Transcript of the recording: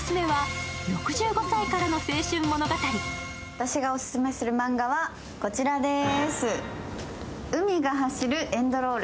私がオススメするマンガはこちらです。